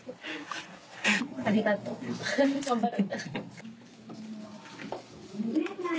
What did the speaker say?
ありがとう頑張る。